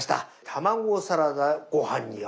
「卵サラダ・ごはんに合う」。